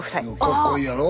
かっこいいやろ？